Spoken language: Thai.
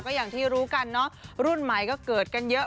ก็อย่างที่รู้กันเนอะรุ่นใหม่ก็เกิดกันเยอะ